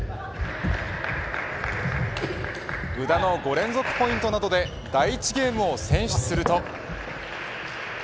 宇田の５連続ポイントなどで第１ゲームを先取すると。